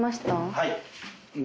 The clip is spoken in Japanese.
はい。